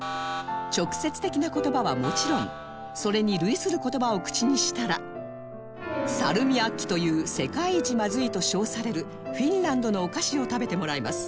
直接的な言葉はもちろんそれに類する言葉を口にしたらサルミアッキという世界一まずいと称されるフィンランドのお菓子を食べてもらいます